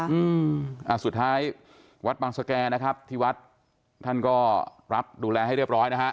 อืมอ่าสุดท้ายวัดบางสแก่นะครับที่วัดท่านก็รับดูแลให้เรียบร้อยนะฮะ